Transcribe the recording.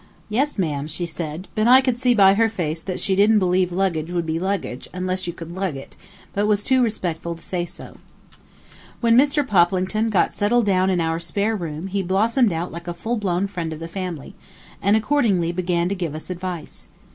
"Yes, ma'am," said she; but I could see by her face that she didn't believe luggage would be luggage unless you could lug it, but was too respectful to say so. When Mr. Poplington got settled down in our spare room he blossomed out like a full blown friend of the family, and accordingly began to give us advice.